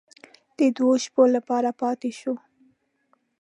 د دوو شپو لپاره پاتې شوو.